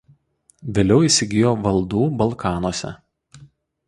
Vėliau įsigijo valdų Balkanuose.